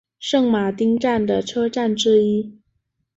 圣马丁站的车站之一。